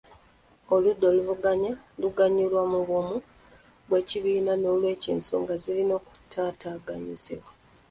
Oludda oluvuganya luganyulwa mu bumu bw'ekibiina n'olwekyo ensonga zirina okuttaanyizibwa.